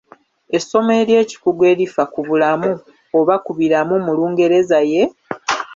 Essomo ery’ekikugu erifa ku bulamu oba ku biramu mu Lungereza ye?